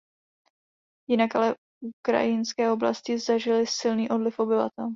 Jinak ale ukrajinské oblasti zažily silný odliv obyvatel.